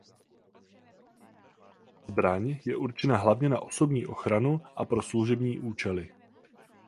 Zbraň je určena hlavně na osobní ochranu a pro služební účely.